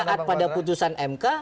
taat pada putusan mk